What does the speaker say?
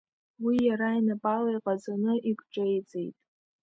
Уи иара инапала иҟаҵаны икҿеиҵеит…